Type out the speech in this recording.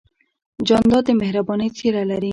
جانداد د مهربانۍ څېرہ لري.